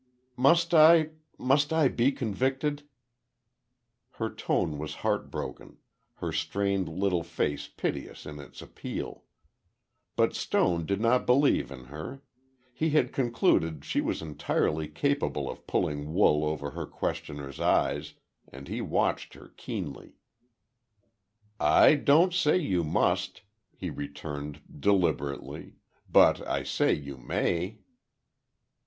"Must I—must I be convicted?" Her tone was heartbroken, her strained little face piteous in its appeal. But Stone did not believe in her. He had concluded she was entirely capable of pulling wool over her questioners' eyes, and he watched her keenly. "I don't say you must," he returned deliberately, "but I say you may."